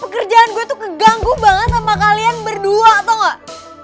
pekerjaan gue tuh keganggu banget sama kalian berdua atau gak